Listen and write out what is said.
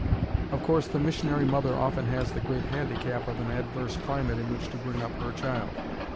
Of course the missionary mother often has the great handicap of an adverse climate in which to bring up her child.